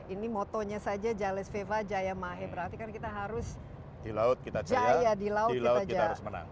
ini motonya saja jales veva jaya mahe berarti kan kita harus jaya di laut kita jaya menang